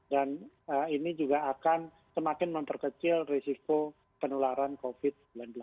dan ini juga akan semakin memperkecil risiko penularan covid sembilan belas